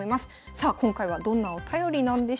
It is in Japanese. さあ今回はどんなお便りなんでしょうか。